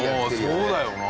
そうだよな。